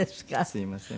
すいません。